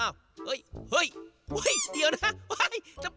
เฮ้ยเดี๋ยวนะ